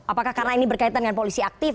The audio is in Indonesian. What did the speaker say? apakah karena ini berkaitan dengan polisi aktif